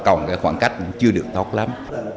còn khoảng cách chưa được tốt lắm